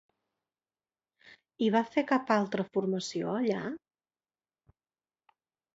Hi va fer cap altra formació allà?